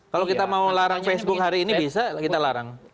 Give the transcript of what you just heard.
kalau kita mau larang facebook hari ini bisa kita larang